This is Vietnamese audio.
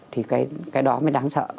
thì cái đó mới đáng sợ